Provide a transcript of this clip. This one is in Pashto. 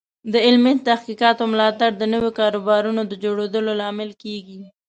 د علمي تحقیقاتو ملاتړ د نوي کاروبارونو د جوړولو لامل کیږي.